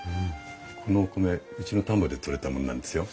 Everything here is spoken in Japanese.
このお米うちの田んぼで採れたものなんですよ。